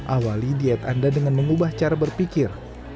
awali diet anda dengan mengubah cara berpikir